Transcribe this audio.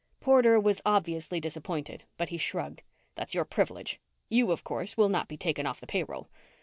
Porter was obviously disappointed but he shrugged. "That's your privilege. You, of course, will not be taken off the payroll."